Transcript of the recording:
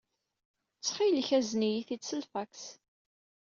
Ttxil-k, azen-iyi-t-id s lfaks.